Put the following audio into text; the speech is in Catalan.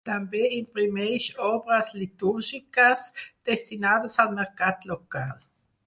També imprimeix obres litúrgiques destinades al mercat local.